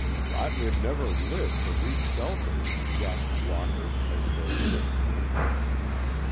"Thought we'd never live to reach shelter," gasped Walker, as they shook hands.